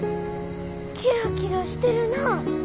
キラキラしてるな。